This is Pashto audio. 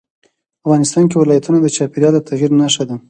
افغانستان کې ولایتونه د چاپېریال د تغیر نښه ده.